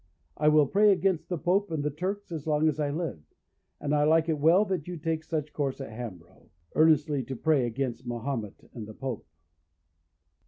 I will pray against the Pope and the Turk as long as I live: and I like it well that you take such course at Hambrough, earnestly to pray against Mahomet and the Pope.